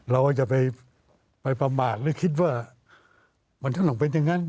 เราก็จะไปประมาทหรือคิดว่ามันจะต้องเป็นอย่างนั้น